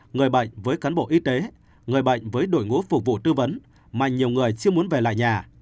người bệnh với cán bộ y tế người bệnh với đội ngũ phục vụ tư vấn mà nhiều người chưa muốn về lại nhà